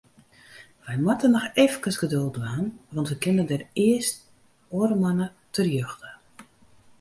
Wy moatte noch eefkes geduld dwaan, want we kinne dêr earst oare moanne terjochte.